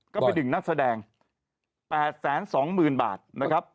ก็ไปดึงนักแสดงแปดแสนสองหมื่นบาทนะครับ